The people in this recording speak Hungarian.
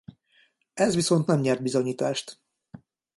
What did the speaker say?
Ez viszont nem nyert bizonyítást.